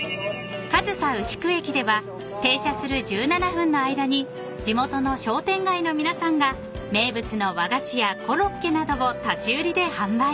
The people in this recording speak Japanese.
［上総牛久駅では停車する１７分の間に地元の商店街の皆さんが名物の和菓子やコロッケなどを立ち売りで販売］